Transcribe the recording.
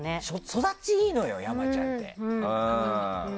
育ちがいいのよ、山ちゃんって。